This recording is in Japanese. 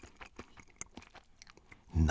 何？